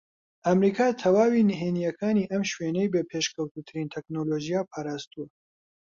ئەمریکا تەواوی نھێنییەکانی ئەم شوێنەی بە پێشکەوتووترین تەکنەلۆژیا پارازتووە